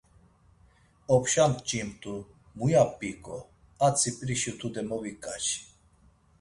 Opşa mç̌imt̆u, muya p̌iǩo, a tsiprişi tude moviǩaçi.